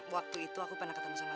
waktu itu aku pernah ketemu sama